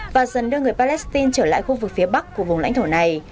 và dần đưa người palestine trở lại khu vực phía bắc của vùng lãnh thổ này